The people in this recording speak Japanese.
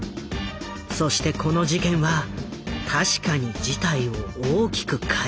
そしてこの事件は確かに事態を大きく変える。